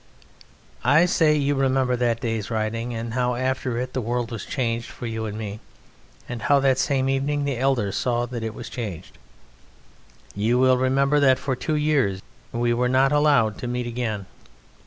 I say, you remember that day's riding, and how after it the world was changed for you and me, and how that same evening the elders saw that it was changed. You will remember that for two years we were not allowed to meet again.